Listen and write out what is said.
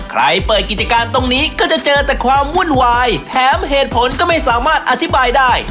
ใครเปิดกิจการตรงนี้ก็จะเจอแต่ความวุ่นวายแถมเหตุผลก็ไม่สามารถอธิบายได้